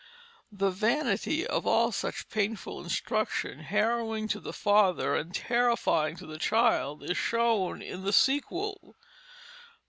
The vanity of all such painful instruction, harrowing to the father and terrifying to the child, is shown in the sequel.